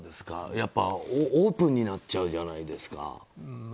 やっぱオープンになっちゃうじゃないですか。